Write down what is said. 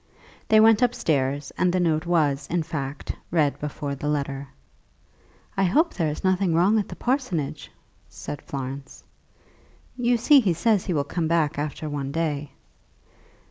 They went upstairs, and the note was, in fact, read before the letter. "I hope there is nothing wrong at the parsonage," said Florence. "You see he says he will be back after one day."